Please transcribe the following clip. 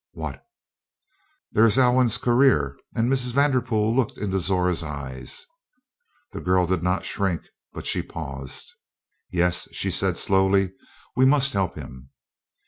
"What?" "There is Alwyn's career," and Mrs. Vanderpool looked into Zora's eyes. The girl did not shrink, but she paused. "Yes," she said slowly, "we must help him."